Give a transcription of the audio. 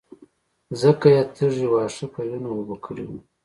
ځکه يې تږي واښه په وينو اوبه کړي وو.